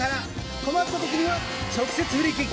困ったときには直接フリーキック。